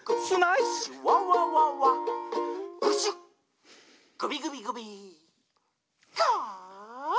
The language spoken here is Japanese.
「プシュッ！クビグビグビカァーッ！」